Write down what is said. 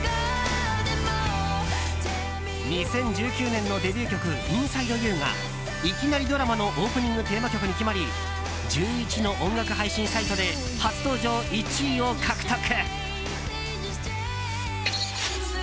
２０１９年のデビュー曲「ｉｎｓｉｄｅｙｏｕ」がいきなりドラマのオープニングテーマ曲に決まり１１の音楽配信サイトで初登場１位を獲得。